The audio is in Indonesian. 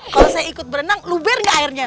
kalau saya ikut berenang luber gak airnya